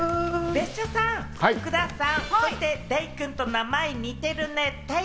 別所さん、福田さん、そしてデイくんと名前似てるね。